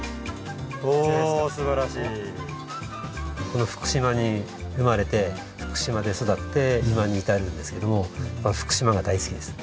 この福島に生まれて福島で育って今に至るんですけども福島が大好きです。